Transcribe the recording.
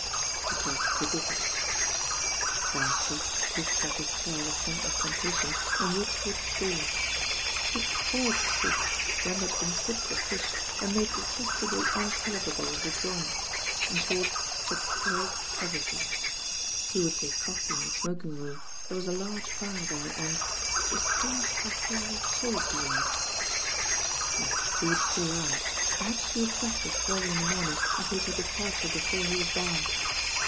' It was ridiculous. Beresford pushed back his chair with some osi tentation and walked towards the door. She had spoiled the soup, rendered insipid the fish and made detestably unpalatable the joint — in short she had spoiled everything. He would take coffee in the smoking room, t'^ere was a large fire there and — it was strange how thoroughly chilled he was. Yes, he would clear out, perhaps she would breakfast early in the morning and take her departure before he was down.